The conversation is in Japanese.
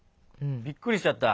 びっくりしちゃった。